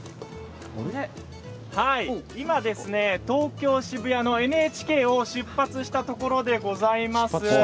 今、東京・渋谷のＮＨＫを出発したところでございます。